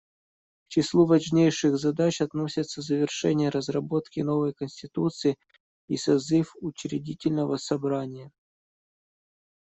К числу важнейших задач относятся завершение разработки новой конституции и созыв учредительного собрания.